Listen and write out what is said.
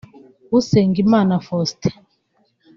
Usengimana Faustin